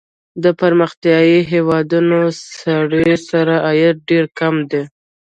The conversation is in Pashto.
د پرمختیايي هېوادونو سړي سر عاید ډېر کم دی.